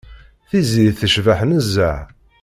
Tiziri tecbeḥ nezzeh.